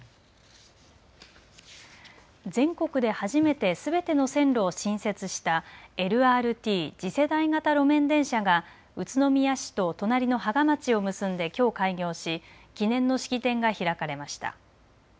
全国で初めてすべての線路を新設したＬＲＴ・次世代型路面電車が宇都宮市と隣の芳賀町を結んできょう開業し記念の式典が開かれました。